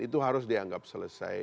itu harus dianggap selesai